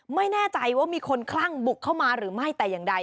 ไม่แน่ใจว่ามีคนคลั่งบุกเข้ามาหรือไม่แต่อย่างใด